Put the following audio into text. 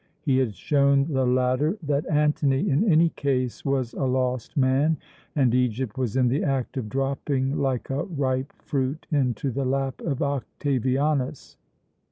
He had shown the latter that Antony, in any case, was a lost man, and Egypt was in the act of dropping like a ripe fruit into the lap of Octavianus.